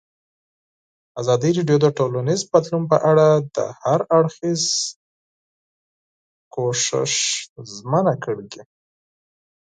ازادي راډیو د ټولنیز بدلون په اړه د هر اړخیز پوښښ ژمنه کړې.